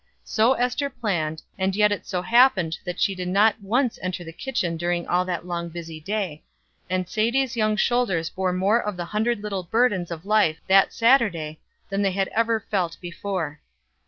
So Ester planned, and yet it so happened that she did not once enter the kitchen during all that long busy day, and Sadie's young shoulders bore more of the hundred little burdens of life that Saturday than they had ever felt before.